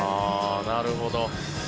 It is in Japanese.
なるほど。